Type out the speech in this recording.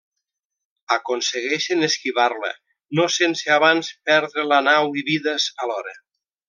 Aconsegueixen esquivar-la, no sense abans perdre la nau i vides alhora.